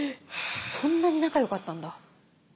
そんなに仲よかったんだ。